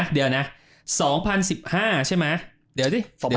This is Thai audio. เดี๋ยวนะ๒๐๑๕ใช่มั้ย